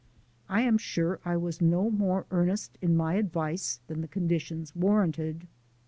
I am sure I was no more earnest in my advice than the conditions warranted.